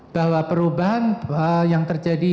bahwa perubahan yang terjadi